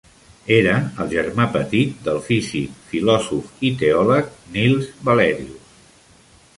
Era el germà petit del físic, filòsof i teòleg Nils Wallerius.